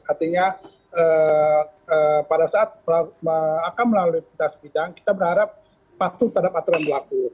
artinya pada saat akan melalui lintas bidang kita berharap patuh terhadap aturan berlaku